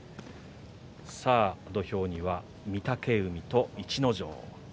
土俵には御嶽海と逸ノ城。